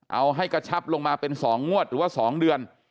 เอาให้กระชับลงมาเป็น๒งวดหรือว่า๒เดือน